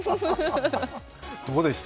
どうでした？